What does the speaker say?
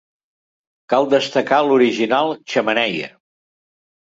Cal destacar l'original xemeneia.